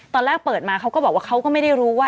ตอนแรกเปิดมาเขาก็บอกว่าเขาก็ไม่ได้รู้ว่า